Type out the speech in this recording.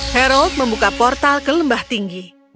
hairold membuka portal ke lembah tinggi